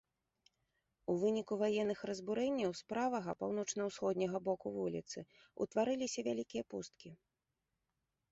У выніку ваенных разбурэнняў з правага паўночна-ўсходняга боку вуліцы ўтварыліся вялікія пусткі.